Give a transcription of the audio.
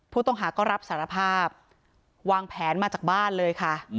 ผู้ต้องหาก็รับสารภาพวางแผนมาจากบ้านเลยค่ะ